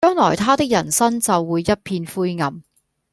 將來他的人生就會一片灰暗